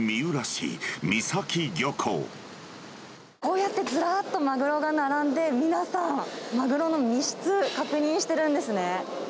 こうやってずらっとマグロが並んで、皆さん、マグロの身質、確認してるんですね。